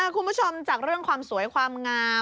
คุณผู้ชมจากเรื่องความสวยความงาม